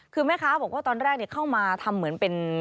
คือแม่ค้าบอกว่าตอนแรกเข้ามาทำเหมือนเป็น